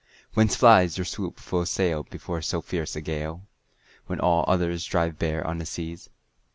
"Whence flies your sloop full sail before so fierce a gale, When all others drive bare on the seas?